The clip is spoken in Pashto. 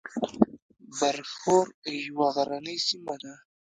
برښور یوه غرنۍ سیمه ده